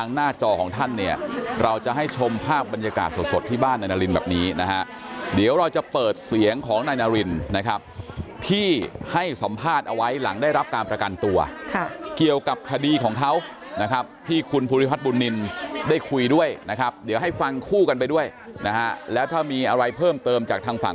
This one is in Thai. หน้าจอของท่านเนี่ยเราจะให้ชมภาพบรรยากาศสดที่บ้านนายนารินแบบนี้นะฮะเดี๋ยวเราจะเปิดเสียงของนายนารินนะครับที่ให้สัมภาษณ์เอาไว้หลังได้รับการประกันตัวเกี่ยวกับคดีของเขานะครับที่คุณภูริพัฒนบุญนินได้คุยด้วยนะครับเดี๋ยวให้ฟังคู่กันไปด้วยนะฮะแล้วถ้ามีอะไรเพิ่มเติมจากทางฝั่ง